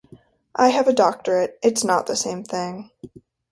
I have a doctorate, it's not the same thing.